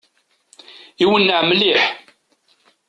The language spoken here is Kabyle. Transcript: Iwenneɛ mliḥ!